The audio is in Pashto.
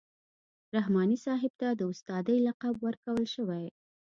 رحماني صاحب ته د استادۍ لقب ورکول شوی.